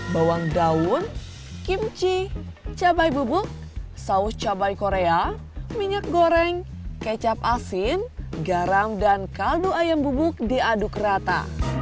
bawang daun kimchi cabai bubuk saus cabai korea minyak goreng kecap asin garam dan kaldu ayam bubuk diaduk rata